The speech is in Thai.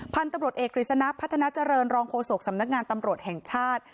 พันธุ์ตำรวจเอกกฤษณะพัฒนาเจริญรองโฆษกสำนักงานตำรวจแห่งชาติ